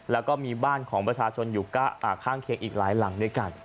แล้วก็มีบ้านของประชาชนอยู่ข้างเคียงอีกหลายหลังด้วยกัน